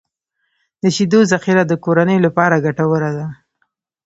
د شیدو ذخیره د کورنیو لپاره ګټوره ده.